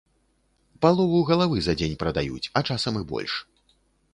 Палову галавы за дзень прадаюць, а часам і больш.